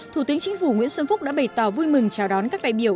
thủ tướng chính phủ nguyễn xuân phúc đã bày tỏ vui mừng chào đón các đại biểu